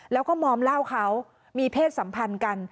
แล้วก็มอมเหล้าเขามีเพศสัมพันธ์กัน